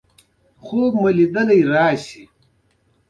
ځکه چې په راتلونکي ،کې څوک داسې جرات ونه کړي.